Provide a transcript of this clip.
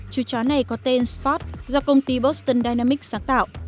chú chó này có tên spot do công ty boston dynamics sáng tạo